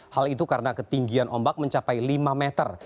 hal itu karena ketinggian ombak mencapai lima meter